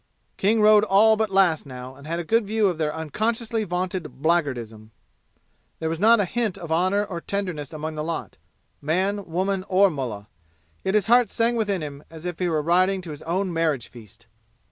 King rode all but last now and had a good view of their unconsciously vaunted blackguardism. There was not a hint of honor or tenderness among the lot, man, woman or mullah. Yet his heart sang within him as if he were riding to his own marriage feast!